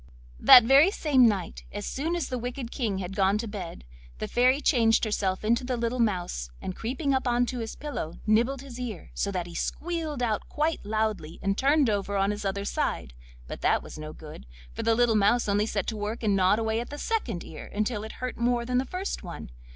That very same night, as soon as the wicked King had gone to bed, the Fairy changed herself into the little mouse, and creeping up on to his pillow nibbled his ear, so that he squealed out quite loudly and turned over on his other side; but that was no good, for the little mouse only set to work and gnawed away at the second ear until it hurt more than the first one.